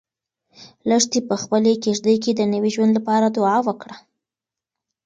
لښتې په خپلې کيږدۍ کې د نوي ژوند لپاره دعا وکړه.